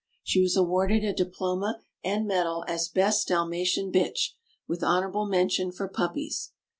She was awarded a diploma and medal as best Dalmatian bitch, with honorable mention for puppies.